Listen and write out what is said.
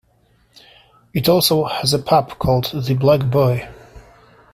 It also has a pub called "The Black Boy".